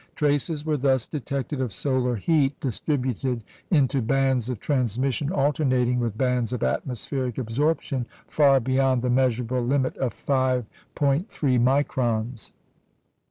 Traces were thus detected of solar heat distributed into bands of transmission alternating with bands of atmospheric absorption, far beyond the measurable limit of 5·3 microns.